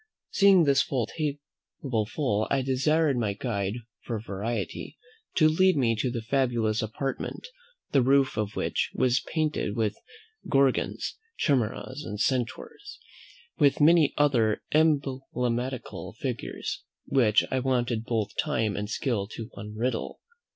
Seeing this table full, I desired my guide, for variety, to lead me to the fabulous apartment, the roof of which was painted with Gorgons, Chimeras, and Centaurs, with many other emblematical figures, which I wanted both time and skill to unriddle.